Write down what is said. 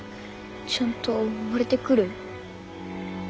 ちゃんと生まれてくる？